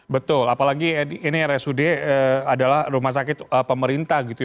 betul apalagi ini rsud adalah rumah sakit pemerintah gitu ya